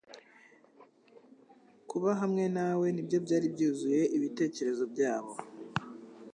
Kuba hamwe nawe ni byo byari byuzuye ibitekerezo byabo.